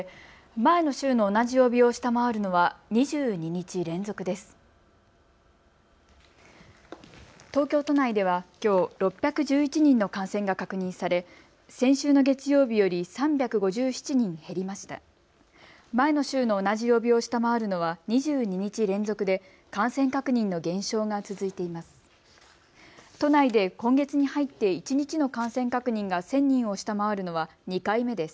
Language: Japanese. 前の週の同じ曜日を下回るのは２２日連続で感染確認の減少が続いています。